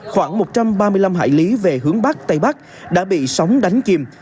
khoảng một trăm ba mươi năm hải lý về hướng bắc tây bắc đã bị sóng đánh kìm